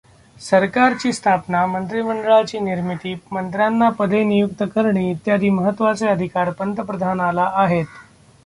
सरकारची स्थापना, मंत्रीमंडळाची निर्मिती, मंत्र्यांना पदे नियुक्त करणे इत्यादी महत्त्वाचे अधिकार पंतप्रधानाला आहेत.